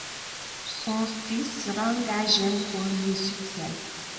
Son fils Rangga Gempol lui succède.